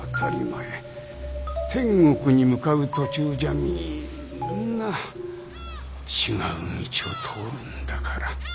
天国に向かう途中じゃみんな違う道を通るんだから。